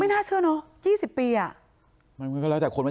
ไม่น่าเชื่อเนอะยี่สิบปีอ่ะมันไม่แค่แล้วแต่คนมัน